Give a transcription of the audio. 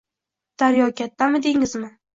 Daryo kattami, dengizmi?